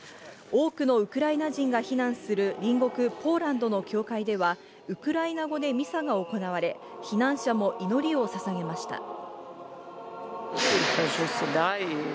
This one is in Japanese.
多くのウクライナ人が避難する隣国・ポーランドの教会では、ウクライナ語でミサが行われ、避難者も祈りをささげました。